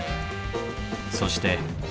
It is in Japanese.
そして。